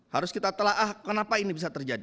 harus kita telah ah kenapa ini bisa terjadi